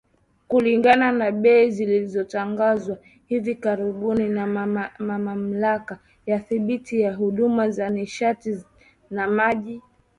Kulingana na bei zilizotangazwa hivi karibuni na Mamlaka ya Udhibiti wa Huduma za Nishati na Maji, kuanzia Aprili Sita